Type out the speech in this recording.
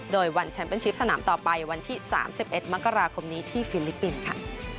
โดยวันแชมป์เป็นชิปสนามต่อไปวันที่๓๑มกราคมนี้ที่ฟิลิปปินส์ค่ะ